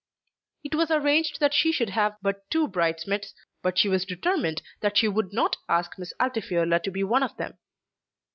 It was arranged that she should have but two bridesmaids, but she was determined that she would not ask Miss Altifiorla to be one of them.